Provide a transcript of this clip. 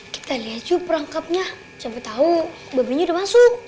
kita liat jauh perangkapnya siapa tau babinya udah masuk